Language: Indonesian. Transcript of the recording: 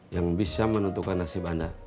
yang bisa menentukan nasib anda